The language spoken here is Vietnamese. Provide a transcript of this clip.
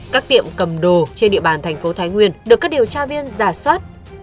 các tiệm cầm đồ trên địa bàn thành phố thái nguyên được các điều tra viên giả soát